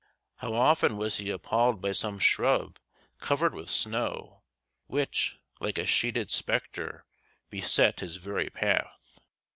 How often was he appalled by some shrub covered with snow, which, like a sheeted spectre, beset his very path!